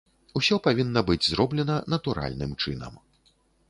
Усё павінна быць зроблена натуральным чынам.